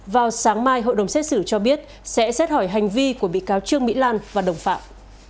vào sáng mai hội đồng xét xử cho biết sẽ xét hỏi hành vi của bị cáo trương mỹ lan và đồng phạm